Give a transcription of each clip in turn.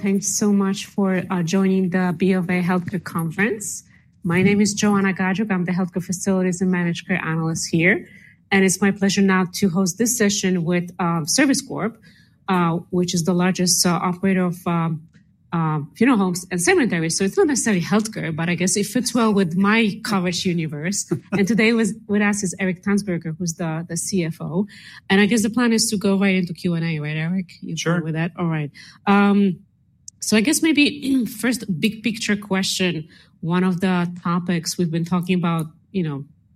Thanks so much for joining the BofA Healthcare Conference. My name is Joanna Gajuk. I'm the Healthcare Facilities and Management Analyst here, and it's my pleasure now to host this session with Service Corp, which is the largest operator of funeral homes and cemeteries. It's not necessarily healthcare, but I guess it fits well with my coverage universe. Today with us is Eric Tanzberger, who's the CFO. I guess the plan is to go right into Q&A, right, Eric? Sure. You're good with that? All right. I guess maybe first, big picture question. One of the topics we've been talking about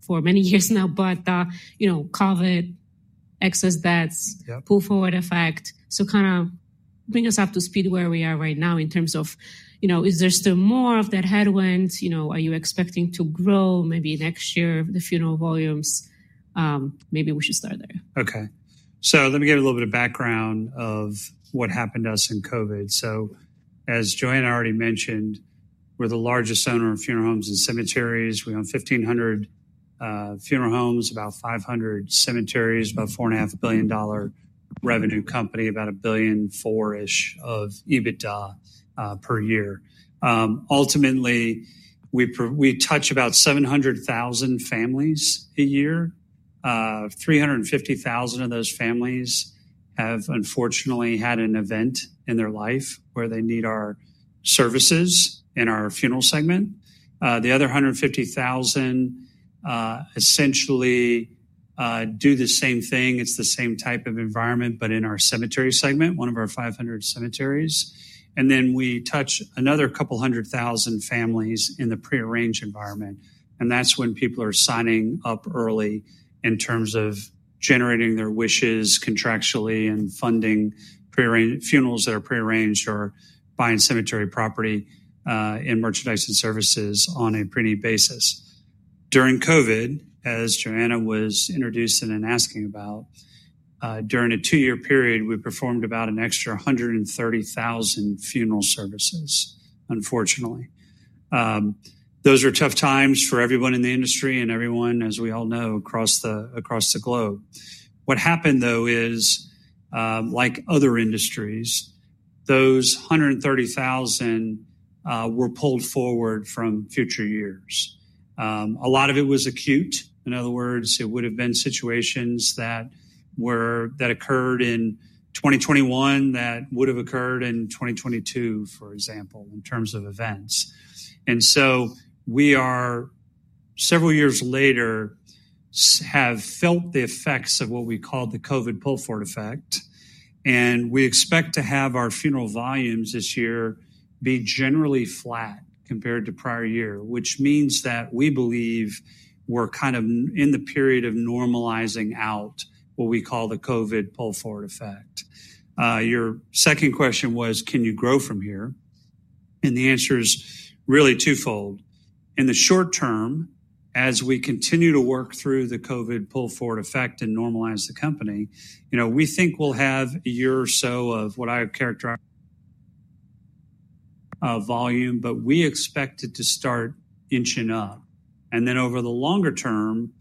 for many years now, but COVID, excess deaths, pull forward effect. Kind of bring us up to speed where we are right now in terms of, is there still more of that headwind? Are you expecting to grow maybe next year the funeral volumes? Maybe we should start there. OK. Let me give you a little bit of background of what happened to us in COVID. As Joanna already mentioned, we're the largest owner of funeral homes and cemeteries. We own 1,500 funeral homes, about 500 cemeteries, about a $4.5 billion revenue company, about a billion four-ish of EBITDA per year. Ultimately, we touch about 700,000 families a year. 350,000 of those families have, unfortunately, had an event in their life where they need our services in our funeral segment. The other 150,000 essentially do the same thing. It's the same type of environment, but in our cemetery segment, one of our 500 cemeteries. Then we touch another couple hundred thousand families in the prearranged environment. That is when people are signing up early in terms of generating their wishes contractually and funding funerals that are prearranged or buying cemetery property and merchandise and services on a pre-need basis. During COVID, as Joanna was introduced in and asking about, during a two-year period, we performed about an extra 130,000 funeral services, unfortunately. Those are tough times for everyone in the industry and everyone, as we all know, across the globe. What happened, though, is like other industries, those 130,000 were pulled forward from future years. A lot of it was acute. In other words, it would have been situations that occurred in 2021 that would have occurred in 2022, for example, in terms of events. We are, several years later, feeling the effects of what we call the COVID pull forward effect. We expect to have our funeral volumes this year be generally flat compared to prior year, which means that we believe we are kind of in the period of normalizing out what we call the COVID pull forward effect. Your second question was, can you grow from here? The answer is really twofold. In the short term, as we continue to work through the COVID pull forward effect and normalize the company, we think we will have a year or so of what I would characterize as volume, but we expect it to start inching up. Over the longer term,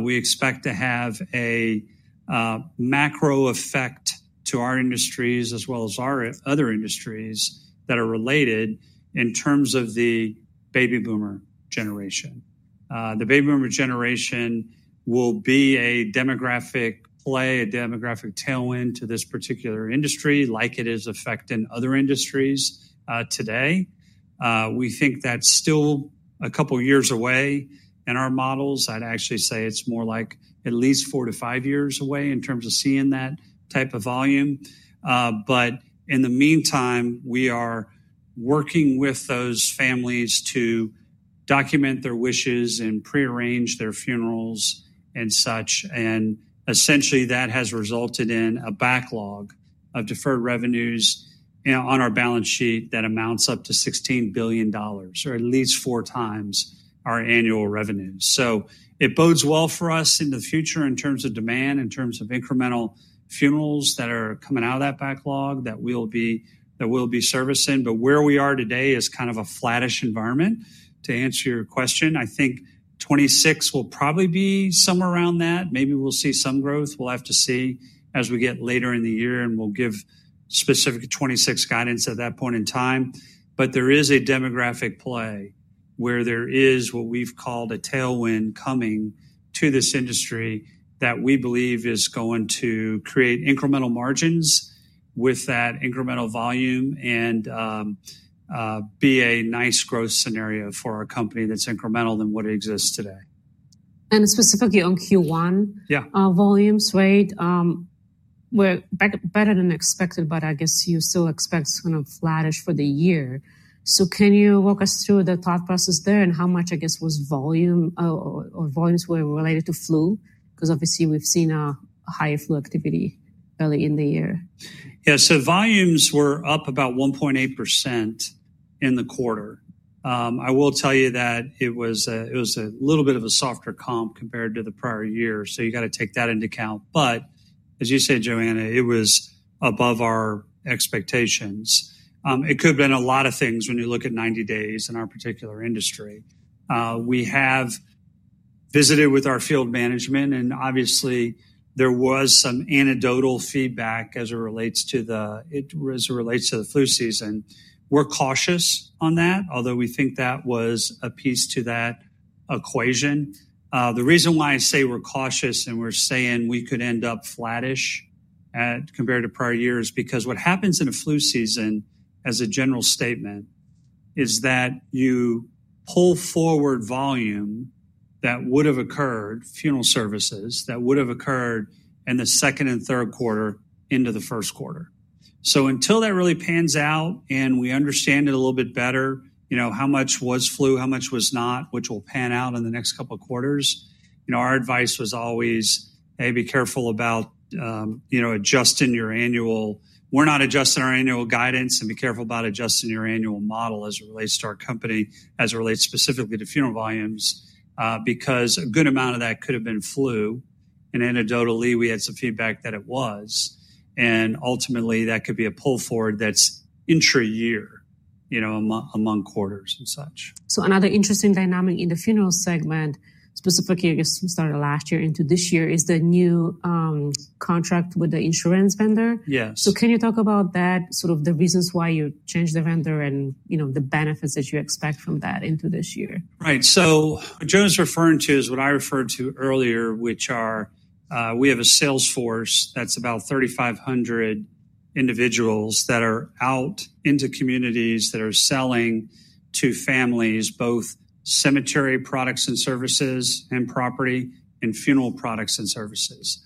we expect to have a macro effect to our industries as well as our other industries that are related in terms of the baby boomer generation. The baby boomer generation will be a demographic play, a demographic tailwind to this particular industry, like it is affecting other industries today. We think that is still a couple of years away in our models. I would actually say it is more like at least four to five years away in terms of seeing that type of volume. In the meantime, we are working with those families to document their wishes and prearrange their funerals and such. Essentially, that has resulted in a backlog of deferred revenues on our balance sheet that amounts up to $16 billion, or at least four times our annual revenues. It bodes well for us in the future in terms of demand, in terms of incremental funerals that are coming out of that backlog that we will be servicing. Where we are today is kind of a flattish environment. To answer your question, I think 2026 will probably be somewhere around that. Maybe we'll see some growth. We'll have to see as we get later in the year, and we'll give specific 2026 guidance at that point in time. There is a demographic play where there is what we've called a tailwind coming to this industry that we believe is going to create incremental margins with that incremental volume and be a nice growth scenario for our company that's incremental than what it exists today. Specifically on Q1 volumes, right? We're better than expected, but I guess you still expect kind of flattish for the year. Can you walk us through the thought process there and how much, I guess, was volumes were related to flu? Because obviously, we've seen a higher flu activity early in the year. Yeah, volumes were up about 1.8% in the quarter. I will tell you that it was a little bit of a softer comp compared to the prior year. You have to take that into account. As you said, Joanna, it was above our expectations. It could have been a lot of things when you look at 90 days in our particular industry. We have visited with our field management, and obviously, there was some anecdotal feedback as it relates to the flu season. We are cautious on that, although we think that was a piece to that equation. The reason why I say we're cautious and we're saying we could end up flattish compared to prior years is because what happens in a flu season, as a general statement, is that you pull forward volume that would have occurred, funeral services that would have occurred in the second and third quarter into the first quarter. Until that really pans out and we understand it a little bit better, how much was flu, how much was not, which will pan out in the next couple of quarters, our advice was always, hey, be careful about adjusting your annual. We're not adjusting our annual guidance, and be careful about adjusting your annual model as it relates to our company, as it relates specifically to funeral volumes, because a good amount of that could have been flu. Anecdotally, we had some feedback that it was. Ultimately, that could be a pull forward that's intra-year among quarters and such. Another interesting dynamic in the funeral segment, specifically I guess we started last year into this year, is the new contract with the insurance vendor. Yes. Can you talk about that, sort of the reasons why you changed the vendor and the benefits that you expect from that into this year? Right. What Joan's referring to is what I referred to earlier, which are we have a sales force that's about 3,500 individuals that are out into communities that are selling to families, both cemetery products and services and property and funeral products and services.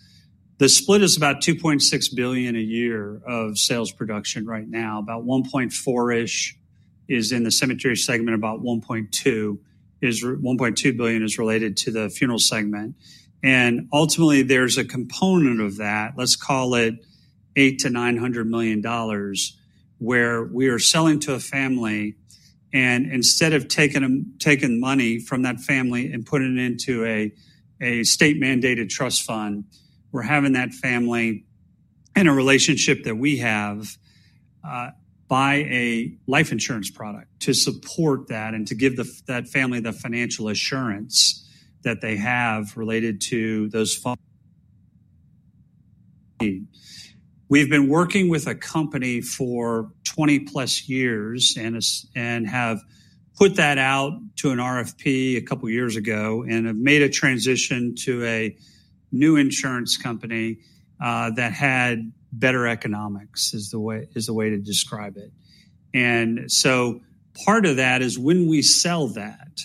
The split is about $2.6 billion a year of sales production right now. About $1.4 billion-ish is in the cemetery segment, about $1.2 billion is related to the funeral segment. Ultimately, there's a component of that, let's call it $800-$900 million, where we are selling to a family. Instead of taking money from that family and putting it into a state-mandated trust fund, we're having that family in a relationship that we have buy a life insurance product to support that and to give that family the financial assurance that they have related to those funds. We've been working with a company for 20-plus years and have put that out to an RFP a couple of years ago and have made a transition to a new insurance company that had better economics is the way to describe it. Part of that is when we sell that,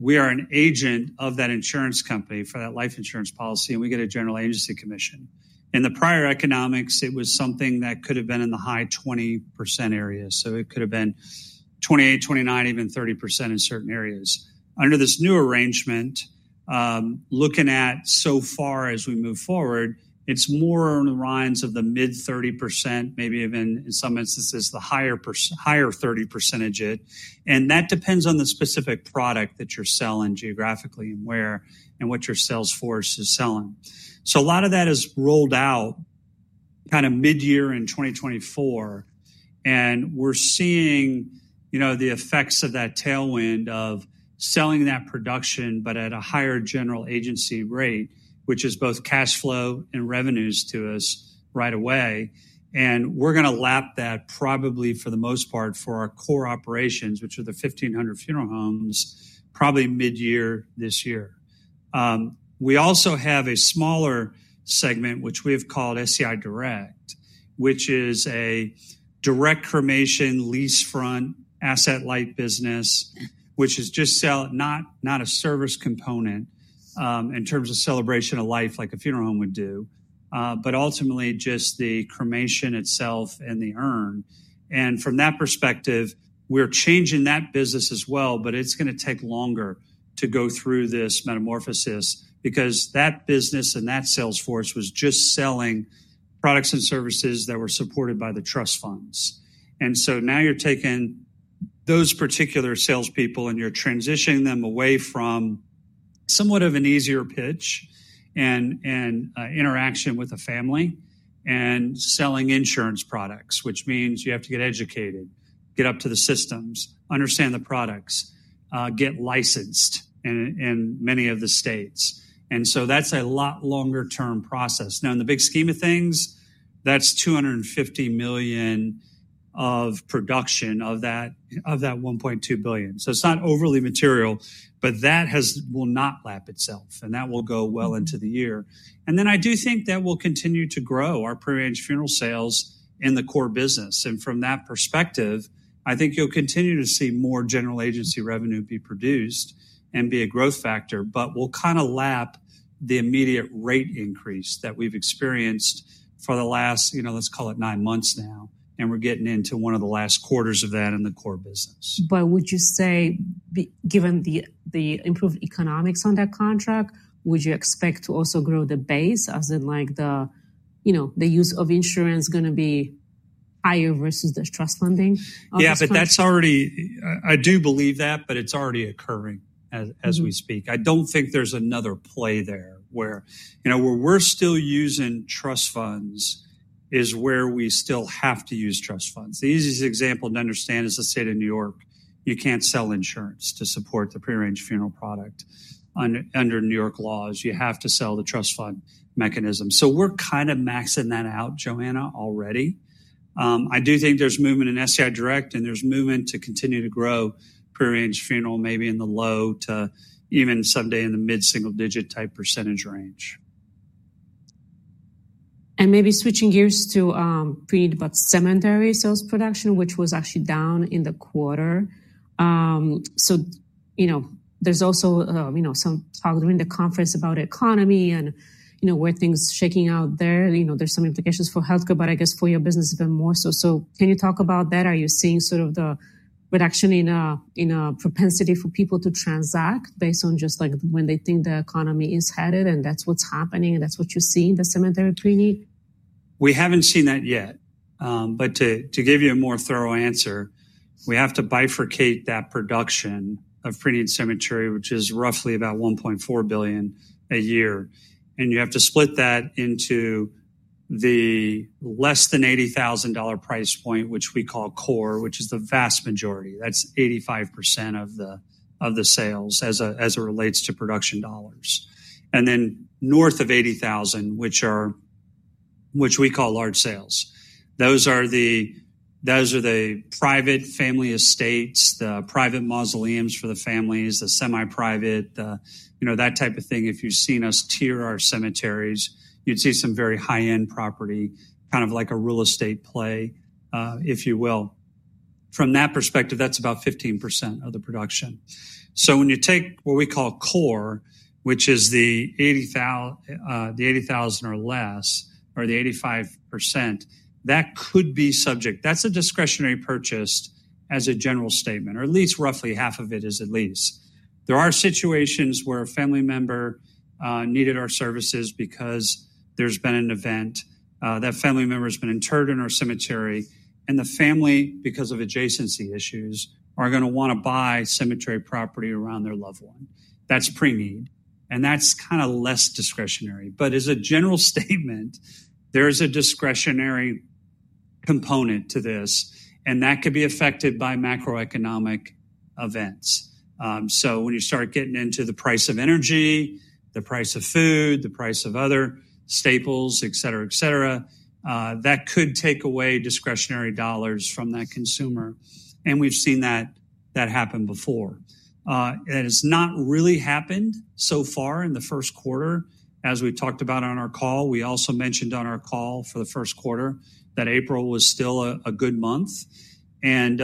we are an agent of that insurance company for that life insurance policy, and we get a general agency commission. In the prior economics, it was something that could have been in the high 20% area. It could have been 28%, 29%, even 30% in certain areas. Under this new arrangement, looking at so far as we move forward, it's more on the lines of the mid-30%, maybe even in some instances the higher 30% of it. That depends on the specific product that you're selling geographically and where and what your sales force is selling. A lot of that is rolled out kind of mid-year in 2024. We are seeing the effects of that tailwind of selling that production, but at a higher general agency rate, which is both cash flow and revenues to us right away. We are going to lap that probably for the most part for our core operations, which are the 1,500 funeral homes, probably mid-year this year. We also have a smaller segment, which we have called SEI Direct, which is a direct cremation lease front asset-light business, which is just not a service component in terms of celebration of life like a funeral home would do, but ultimately just the cremation itself and the urn. From that perspective, we're changing that business as well, but it's going to take longer to go through this metamorphosis because that business and that sales force was just selling products and services that were supported by the trust funds. Now you're taking those particular salespeople and you're transitioning them away from somewhat of an easier pitch and interaction with a family and selling insurance products, which means you have to get educated, get up to the systems, understand the products, get licensed in many of the states. That's a lot longer-term process. In the big scheme of things, that's $250 million of production of that $1.2 billion. It's not overly material, but that will not lap itself, and that will go well into the year. I do think that will continue to grow our prearranged funeral sales in the core business. From that perspective, I think you'll continue to see more general agency revenue be produced and be a growth factor, but we'll kind of lap the immediate rate increase that we've experienced for the last, let's call it nine months now, and we're getting into one of the last quarters of that in the core business. Would you say, given the improved economics on that contract, would you expect to also grow the base as in like the use of insurance going to be higher versus the trust funding? Yeah, but that's already, I do believe that, but it's already occurring as we speak. I don't think there's another play there where we're still using trust funds is where we still have to use trust funds. The easiest example to understand is the state of New York. You can't sell insurance to support the prearranged funeral product. Under New York laws, you have to sell the trust fund mechanism. So we're kind of maxing that out, Joanna, already. I do think there's movement in SEI Direct, and there's movement to continue to grow prearranged funeral maybe in the low to even someday in the mid-single-digit type % range. Maybe switching gears to prearranged but cemetery sales production, which was actually down in the quarter. There is also some talk during the conference about the economy and where things are shaking out there. There are some implications for healthcare, but I guess for your business even more so. Can you talk about that? Are you seeing sort of the reduction in propensity for people to transact based on just when they think the economy is headed and that is what is happening and that is what you see in the cemetery pre-need? We haven't seen that yet. To give you a more thorough answer, we have to bifurcate that production of pre-need cemetery, which is roughly about $1.4 billion a year. You have to split that into the less than $80,000 price point, which we call core, which is the vast majority. That's 85% of the sales as it relates to production dollars. North of $80,000, which we call large sales, those are the private family estates, the private mausoleums for the families, the semi-private, that type of thing. If you've seen us tier our cemeteries, you'd see some very high-end property, kind of like a real estate play, if you will. From that perspective, that's about 15% of the production. When you take what we call core, which is the $80,000 or less, or the 85%, that could be subject. That's a discretionary purchase as a general statement, or at least roughly half of it is at least. There are situations where a family member needed our services because there's been an event, that family member has been interred in our cemetery, and the family, because of adjacency issues, are going to want to buy cemetery property around their loved one. That's pre-need, and that's kind of less discretionary. As a general statement, there is a discretionary component to this, and that could be affected by macroeconomic events. When you start getting into the price of energy, the price of food, the price of other staples, et cetera, et cetera, that could take away discretionary dollars from that consumer. We've seen that happen before. It's not really happened so far in the first quarter, as we talked about on our call. We also mentioned on our call for the first quarter that April was still a good month, and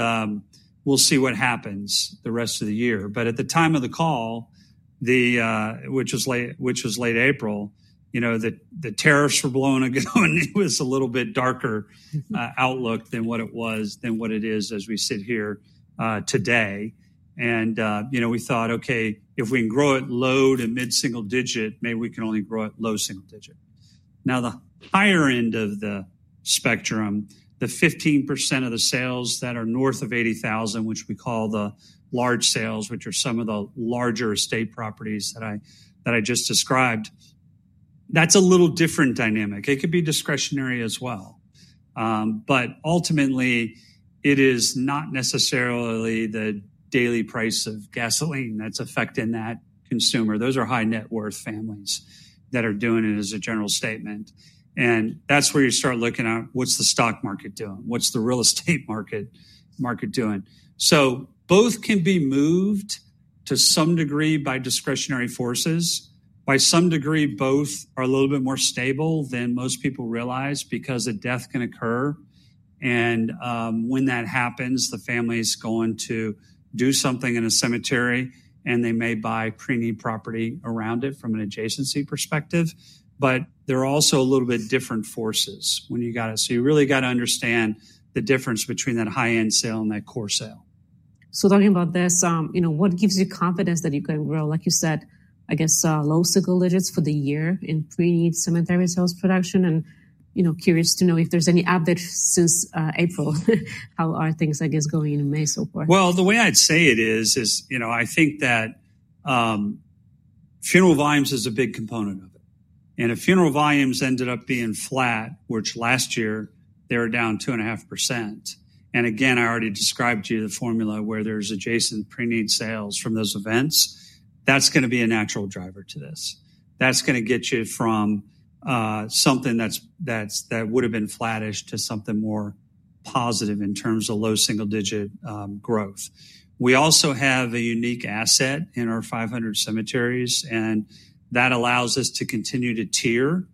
we'll see what happens the rest of the year. At the time of the call, which was late April, the tariffs were blowing a go, and it was a little bit darker outlook than what it was, than what it is as we sit here today. We thought, okay, if we can grow it low to mid-single digit, maybe we can only grow it low single digit. Now, the higher end of the spectrum, the 15% of the sales that are north of $80,000, which we call the large sales, which are some of the larger estate properties that I just described, that's a little different dynamic. It could be discretionary as well. Ultimately, it is not necessarily the daily price of gasoline that's affecting that consumer. Those are high-net-worth families that are doing it as a general statement. That is where you start looking at what is the stock market doing? What is the real estate market doing? Both can be moved to some degree by discretionary forces. To some degree, both are a little bit more stable than most people realize because a death can occur. When that happens, the family is going to do something in a cemetery, and they may buy pre-need property around it from an adjacency perspective. There are also a little bit different forces when you got it. You really got to understand the difference between that high-end sale and that core sale. Talking about this, what gives you confidence that you can grow, like you said, I guess, low single digits for the year in pre-need cemetery sales production? Curious to know if there's any updates since April. How are things, I guess, going in May so far? I think that funeral volumes is a big component of it. If funeral volumes ended up being flat, which last year they were down 2.5%, and again, I already described to you the formula where there's adjacent pre-need sales from those events, that's going to be a natural driver to this. That's going to get you from something that would have been flattish to something more positive in terms of low single-digit growth. We also have a unique asset in our 500 cemeteries, and that allows us to continue to tier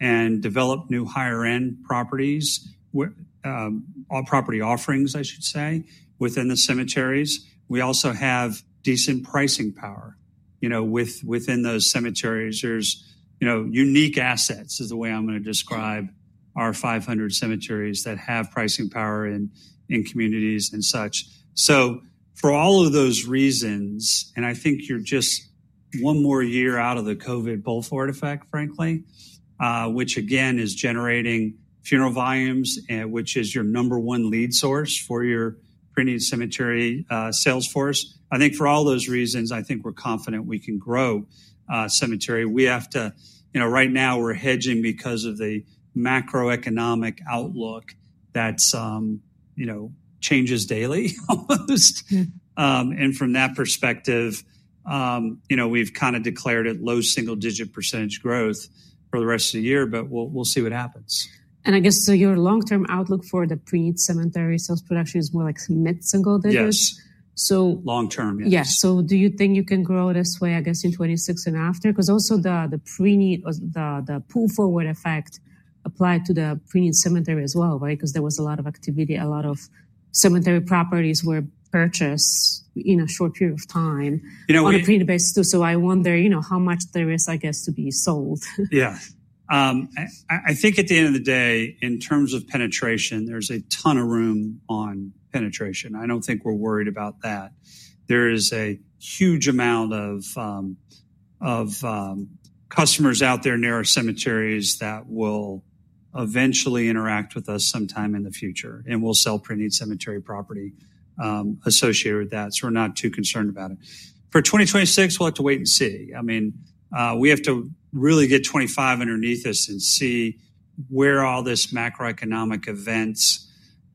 and develop new higher-end property offerings, I should say, within the cemeteries. We also have decent pricing power. Within those cemeteries, there's unique assets is the way I'm going to describe our 500 cemeteries that have pricing power in communities and such. For all of those reasons, and I think you are just one more year out of the COVID pull forward effect, frankly, which again is generating funeral volumes, which is your number one lead source for your pre-need cemetery sales force. I think for all those reasons, I think we are confident we can grow cemetery. Right now, we are hedging because of the macroeconomic outlook that changes daily almost. From that perspective, we have kind of declared it low single-digit % growth for the rest of the year, but we will see what happens. I guess your long-term outlook for the pre-need cemetery sales production is more like mid-single digits? Yes. Long-term, yes. Yeah. Do you think you can grow this way, I guess, in 2026 and after? Because also the pre-need, the pull-forward effect applied to the pre-need cemetery as well, right? Because there was a lot of activity, a lot of cemetery properties were purchased in a short period of time on a pre-need basis too. I wonder how much there is, I guess, to be sold. Yeah. I think at the end of the day, in terms of penetration, there's a ton of room on penetration. I don't think we're worried about that. There is a huge amount of customers out there near our cemeteries that will eventually interact with us sometime in the future, and we'll sell pre-need cemetery property associated with that. So we're not too concerned about it. For 2026, we'll have to wait and see. I mean, we have to really get 2025 underneath us and see where all this macroeconomic events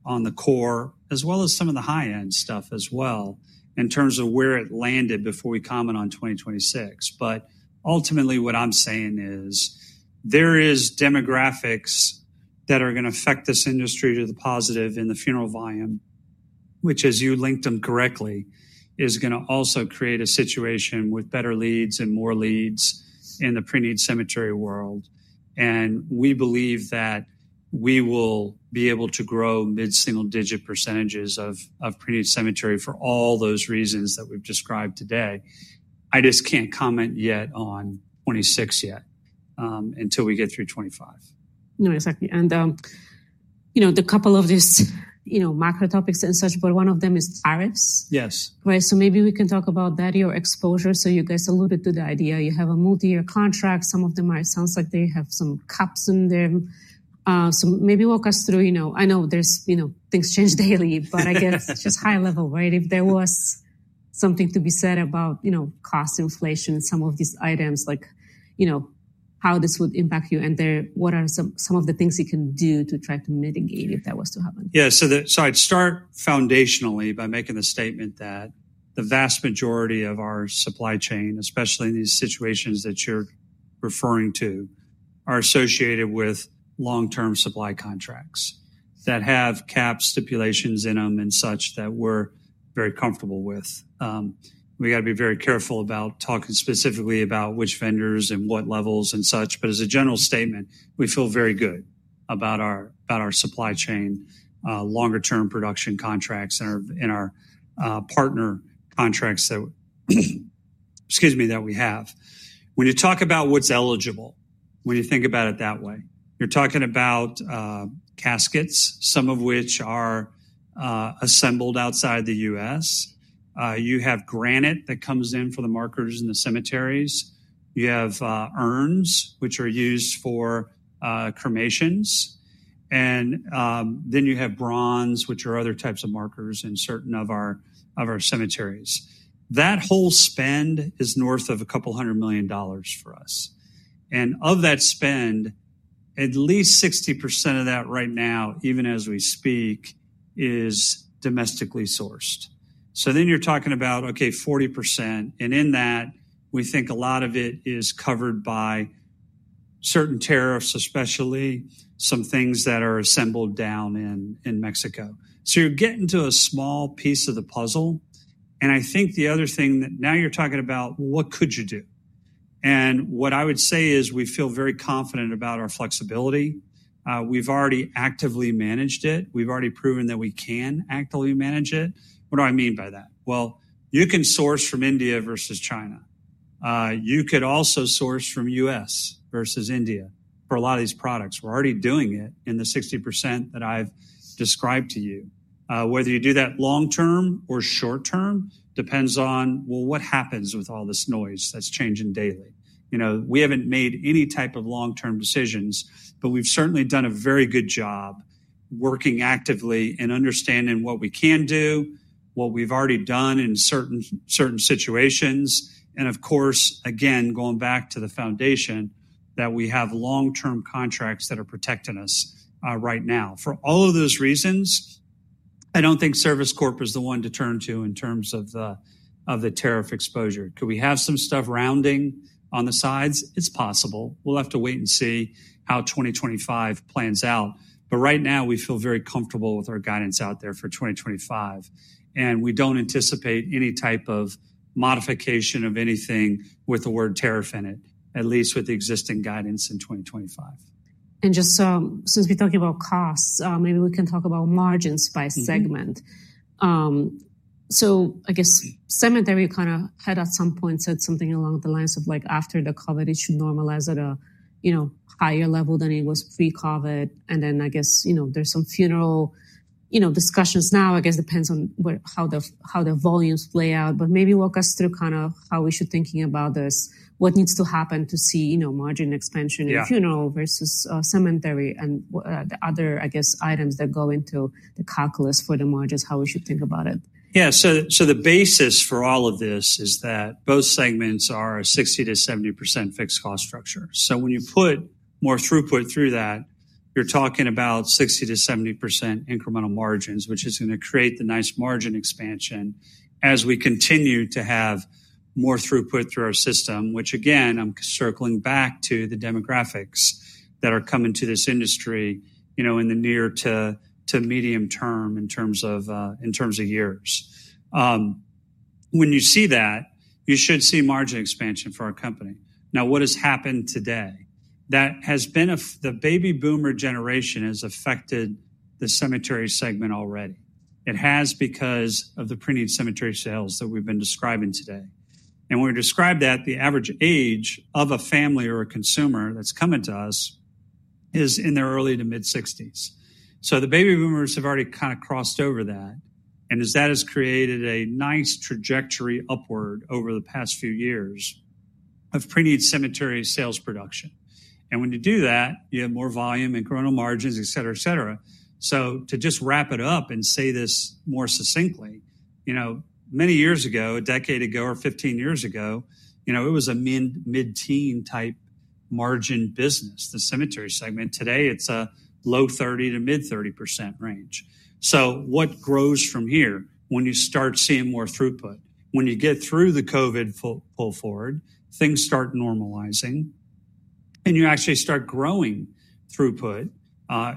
on the core, as well as some of the high-end stuff as well, in terms of where it landed before we comment on 2026. Ultimately, what I'm saying is there are demographics that are going to affect this industry to the positive in the funeral volume, which, as you linked them correctly, is going to also create a situation with better leads and more leads in the pre-need cemetery world. We believe that we will be able to grow mid-single digit % of pre-need cemetery for all those reasons that we've described today. I just can't comment yet on 2026 yet until we get through 2025. No, exactly. A couple of these macro topics and such, but one of them is tariffs. Yes. Right? Maybe we can talk about that, your exposure. You guys alluded to the idea you have a multi-year contract. Some of them sounds like they have some caps in there. Maybe walk us through. I know things change daily, but I guess just high level, right? If there was something to be said about cost inflation and some of these items, like how this would impact you and what are some of the things you can do to try to mitigate if that was to happen. Yeah. I'd start foundationally by making the statement that the vast majority of our supply chain, especially in these situations that you're referring to, are associated with long-term supply contracts that have cap stipulations in them and such that we're very comfortable with. We got to be very careful about talking specifically about which vendors and what levels and such. As a general statement, we feel very good about our supply chain, longer-term production contracts, and our partner contracts that we have. When you talk about what's eligible, when you think about it that way, you're talking about caskets, some of which are assembled outside the U.S. You have granite that comes in for the markers in the cemeteries. You have urns, which are used for cremations. You have bronze, which are other types of markers in certain of our cemeteries. That whole spend is north of a couple hundred million dollars for us. Of that spend, at least 60% of that right now, even as we speak, is domestically sourced. You are talking about, okay, 40%. In that, we think a lot of it is covered by certain tariffs, especially some things that are assembled down in Mexico. You are getting to a small piece of the puzzle. I think the other thing that now you are talking about, what could you do? What I would say is we feel very confident about our flexibility. We have already actively managed it. We have already proven that we can actively manage it. What do I mean by that? You can source from India versus China. You could also source from U.S. versus India for a lot of these products. We're already doing it in the 60% that I've described to you. Whether you do that long-term or short-term depends on, well, what happens with all this noise that's changing daily. We haven't made any type of long-term decisions, but we've certainly done a very good job working actively and understanding what we can do, what we've already done in certain situations. Of course, again, going back to the foundation that we have long-term contracts that are protecting us right now. For all of those reasons, I don't think Service Corp is the one to turn to in terms of the tariff exposure. Could we have some stuff rounding on the sides? It's possible. We'll have to wait and see how 2025 plans out. Right now, we feel very comfortable with our guidance out there for 2025. We do not anticipate any type of modification of anything with the word tariff in it, at least with the existing guidance in 2025. Just since we're talking about costs, maybe we can talk about margins by segment. I guess cemetery kind of had at some point said something along the lines of after the COVID, it should normalize at a higher level than it was pre-COVID. I guess there's some funeral discussions now. I guess it depends on how the volumes play out. Maybe walk us through kind of how we should be thinking about this, what needs to happen to see margin expansion in funeral versus cemetery and the other, I guess, items that go into the calculus for the margins, how we should think about it? Yeah. So the basis for all of this is that both segments are a 60-70% fixed cost structure. When you put more throughput through that, you're talking about 60-70% incremental margins, which is going to create the nice margin expansion as we continue to have more throughput through our system, which again, I'm circling back to the demographics that are coming to this industry in the near to medium term in terms of years. When you see that, you should see margin expansion for our company. Now, what has happened today? The baby boomer generation has affected the cemetery segment already. It has because of the pre-need cemetery sales that we've been describing today. When we describe that, the average age of a family or a consumer that's coming to us is in their early to mid-60s. The baby boomers have already kind of crossed over that. That has created a nice trajectory upward over the past few years of pre-need cemetery sales production. When you do that, you have more volume, incremental margins, et cetera, et cetera. To just wrap it up and say this more succinctly, many years ago, a decade ago or 15 years ago, it was a mid-teen type margin business, the cemetery segment. Today, it is a low 30- to mid-30% range. What grows from here when you start seeing more throughput? When you get through the COVID pull-forward, things start normalizing, and you actually start growing throughput.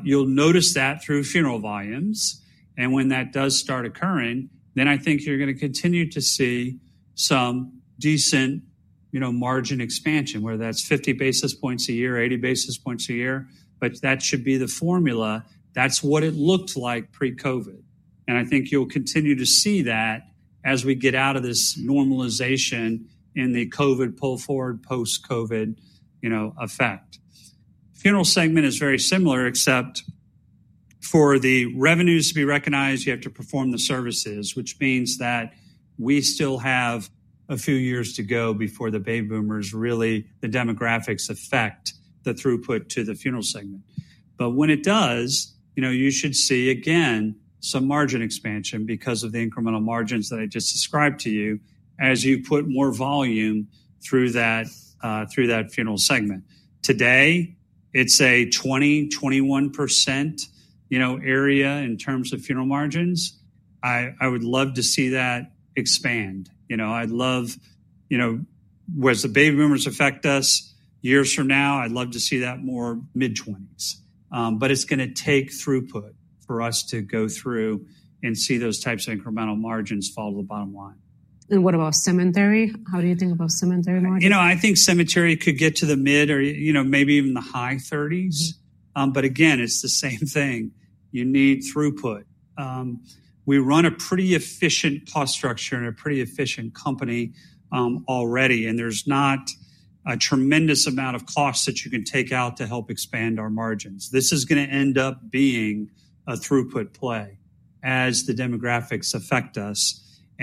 You will notice that through funeral volumes. When that does start occurring, I think you're going to continue to see some decent margin expansion, whether that's 50 basis points a year, 80 basis points a year, but that should be the formula. That's what it looked like pre-COVID. I think you'll continue to see that as we get out of this normalization in the COVID pull-forward post-COVID effect. Funeral segment is very similar, except for the revenues to be recognized, you have to perform the services, which means that we still have a few years to go before the baby boomers really, the demographics affect the throughput to the funeral segment. When it does, you should see again some margin expansion because of the incremental margins that I just described to you as you put more volume through that funeral segment. Today, it's a 20-21% area in terms of funeral margins. I would love to see that expand. I'd love whereas the baby boomers affect us years from now, I'd love to see that more mid-20s. It is going to take throughput for us to go through and see those types of incremental margins fall to the bottom line. What about cemetery? How do you think about cemetery margins? You know, I think cemetery could get to the mid or maybe even the high 30s. Again, it's the same thing. You need throughput. We run a pretty efficient cost structure and a pretty efficient company already. There's not a tremendous amount of cost that you can take out to help expand our margins. This is going to end up being a throughput play as the demographics affect us.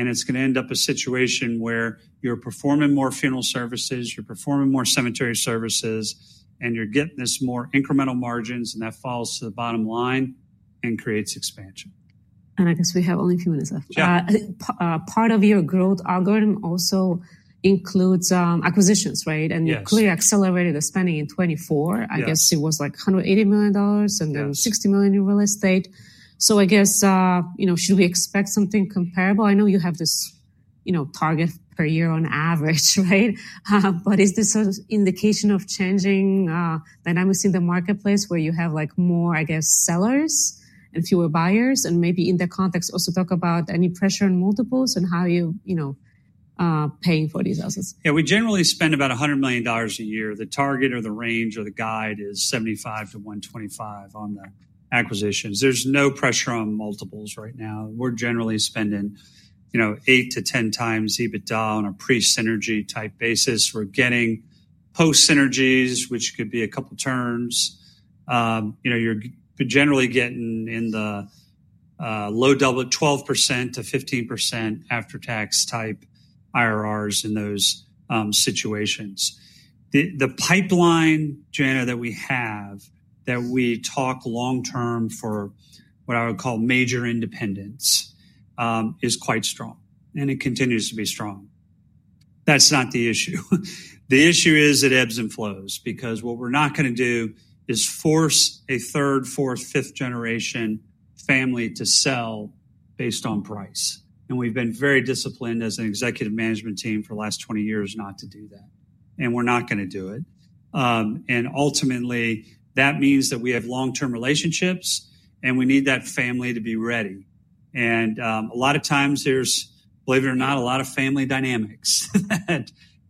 It's going to end up a situation where you're performing more funeral services, you're performing more cemetery services, and you're getting this more incremental margins, and that falls to the bottom line and creates expansion. I guess we have only a few minutes left. Part of your growth algorithm also includes acquisitions, right? You clearly accelerated the spending in 2024. I guess it was like $180 million and then $60 million in real estate. I guess should we expect something comparable? I know you have this target per year on average, right? Is this an indication of changing dynamics in the marketplace where you have more, I guess, sellers and fewer buyers? Maybe in that context, also talk about any pressure on multiples and how you're paying for these assets. Yeah. We generally spend about $100 million a year. The target or the range or the guide is $75 million-$125 million on the acquisitions. There's no pressure on multiples right now. We're generally spending 8-10 times EBITDA on a pre-synergy type basis. We're getting post-synergies, which could be a couple turns. You're generally getting in the low double 12%-15% after-tax type IRRs in those situations. The pipeline, Jenna, that we have that we talk long-term for what I would call major independents is quite strong. It continues to be strong. That's not the issue. The issue is it ebbs and flows because what we're not going to do is force a 3rd, 4th, 5th generation family to sell based on price. We've been very disciplined as an executive management team for the last 20 years not to do that. We're not going to do it. Ultimately, that means that we have long-term relationships and we need that family to be ready. A lot of times, there's, believe it or not, a lot of family dynamics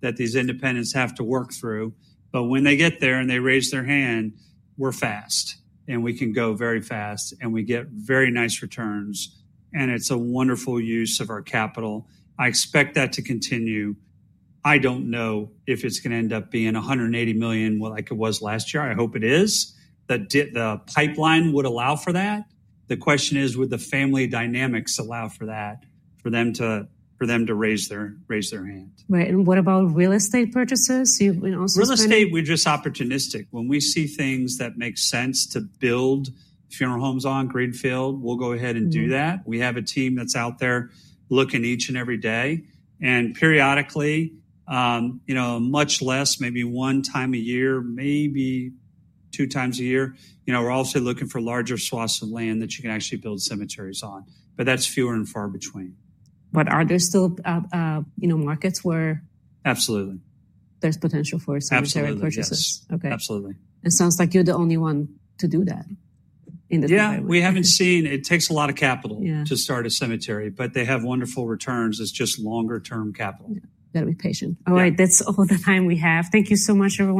that these independents have to work through. When they get there and they raise their hand, we're fast. We can go very fast. We get very nice returns. It's a wonderful use of our capital. I expect that to continue. I don't know if it's going to end up being $180 million like it was last year. I hope it is. The pipeline would allow for that. The question is, would the family dynamics allow for that for them to raise their hand? Right. What about real estate purchases? Real estate, we're just opportunistic. When we see things that make sense to build funeral homes on Greenfield, we'll go ahead and do that. We have a team that's out there looking each and every day. Periodically, much less, maybe one time a year, maybe two times a year, we're also looking for larger swaths of land that you can actually build cemeteries on. That is fewer and far between. Are there still markets where there's potential for cemetery purchases? Absolutely. Okay. It sounds like you're the only one to do that in the. Yeah. We haven't seen it takes a lot of capital to start a cemetery, but they have wonderful returns. It's just longer-term capital. Got to be patient. All right. That's all the time we have. Thank you so much, everyone.